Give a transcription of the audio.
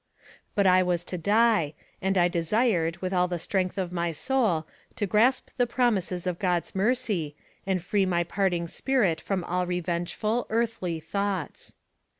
But 1 was to die, and I desired, with all the strength of my soul, to grasp the promises of God's mercy, and free my parting spirit from all revengeful, earthly thoughts.